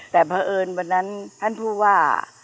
แต่เผอิญวันนั้นท่านพูดว่า